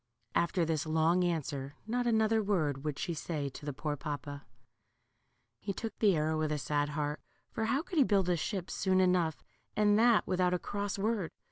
After this long answer, not another word would she say to the poor papa. He took the arrow with a sad heart, for how could he build a ship soon enough, and that without a cross word